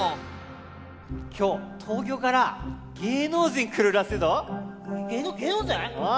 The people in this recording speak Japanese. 今日東京から芸能人来るらしいぞ。